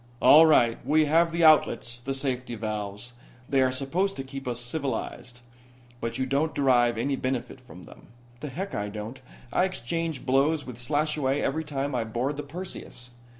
"All right. We have the outlets, the safety valves. They are supposed to keep us civilized. But you don't derive any benefit from them." "The heck I don't. I exchange blows with Slashaway every time I board the Perseus.